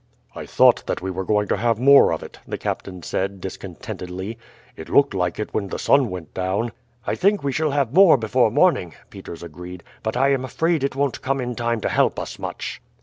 "I thought that we were going to have more of it," the captain said discontentedly; "it looked like it when the sun went down." "I think we shall have more before morning," Peters agreed; "but I am afraid it won't come in time to help us much."